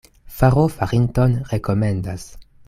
Faro farinton rekomendas.